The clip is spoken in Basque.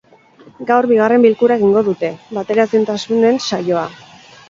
Gaur, bigarren bilkura egingo dute, bateraezintasunen saioa.